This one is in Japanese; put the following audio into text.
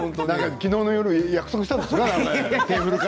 昨日の夜約束したんですかね。